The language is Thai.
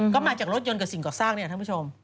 ก็มาจากรถยนต์กับสิ่งก่อสร้างเนี่ยท่านผู้ชม